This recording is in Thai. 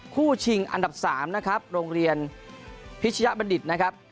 ชิงอันดับ๓นะครับโรงเรียนพิชยบัณฑิตนะครับ